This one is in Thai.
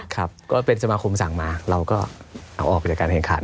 ครับก็เป็นสมาคมสั่งมาเราก็เอาออกไปจากการแข่งขัน